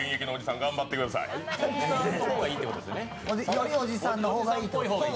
よりおじさんの方がいい。